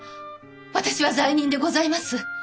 私は罪人でございます。